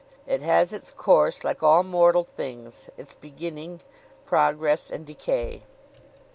It has its course, like all mortal things its beginning, progress, and decay.